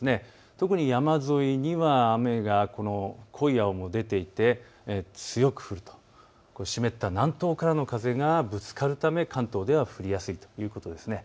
特に山沿いには濃い青も出ていて、強く降ると湿った南東からの風がぶつかるため関東では降りやすいということです。